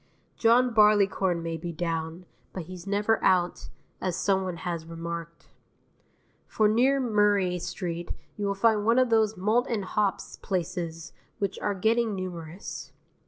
John Barleycorn may be down, but he's never out, as someone has remarked. For near Murray Street you will find one of those malt and hops places which are getting numerous.